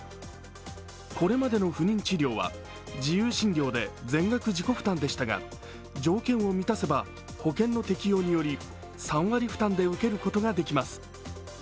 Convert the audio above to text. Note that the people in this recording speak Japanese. これまでの不妊治療は自由診療で全額自己負担でしたが条件を満たせば保険の適用により３割負担で受けることができます。